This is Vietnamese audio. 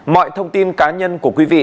mọi thông tin cá nhân của quý vị